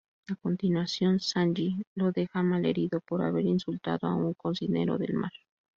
A continuación Sanji lo deja malherido por haber insultado a un cocinero del mar.